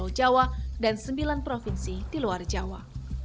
pulau jawa dan sembilan provinsi di luar jawa